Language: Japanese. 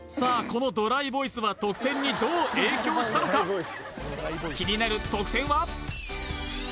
このドライボイスは得点にどう影響したのか気になる得点は？